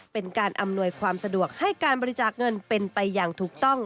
เป็นการอำนวยความสะดวกให้การบริจาคเงินเป็นไปอย่างถูกต้อง